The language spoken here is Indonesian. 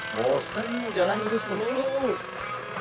bosan jalan ini sepenuhnya